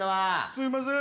すいません